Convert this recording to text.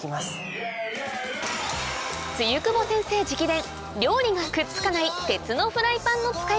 露久保先生直伝